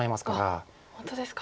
本当ですか。